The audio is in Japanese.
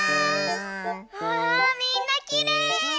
わあみんなきれい！